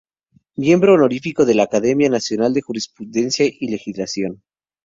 Miembro honorífico de la Academia Nacional de Jurisprudencia y Legislación.